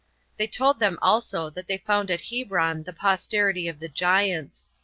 They told them also, that they found at Hebron the posterity of the giants.